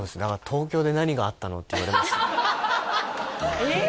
東京で何があったの？って言われますえ！？